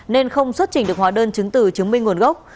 nên không xuất trình được hóa đơn chứng từ chứng minh nguồn gốc